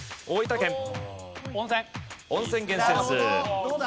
大分県。